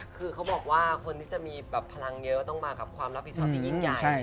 คือเขาบอกว่าคนที่จะมีแบบพลังเยอะต้องมากับความรับผิดชอบที่ยิ่งใหญ่